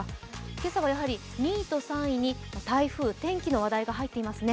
今朝は２位と３位に台風、天気の話題が入っていますね。